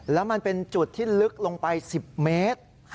แล้วมันเป็นจุดที่ลึกลงไป๑๐เมตร